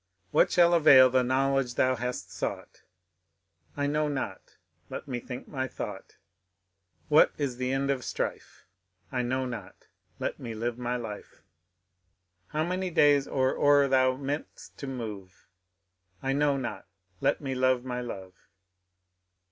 What shall avail the knowledge thou hast sou^t ?— I know not, let me think my thought What is the end of strife ?— I know not, let me live my life. 280 MONCURE DANIEL CONWAY How many days or e*er thou mean'st to moTe ?— I know not, let me love my lore.